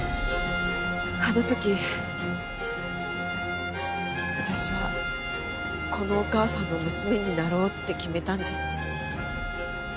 あの時私はこのお義母さんの娘になろうって決めたんです。